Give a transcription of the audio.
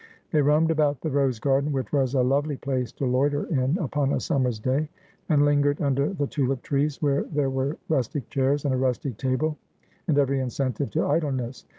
They roamed about the rose garden, which was a lovely place to loiter in upon a summer day, and lingered under the tulip trees, where there were rustic chairs and a rustic table, and every incentive to idleness.